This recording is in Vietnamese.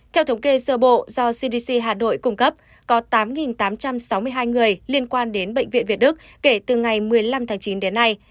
theo thống kê sơ bộ do cdc hà nội cung cấp có tám tám trăm sáu mươi hai người liên quan đến bệnh viện việt đức kể từ ngày một mươi năm tháng chín đến nay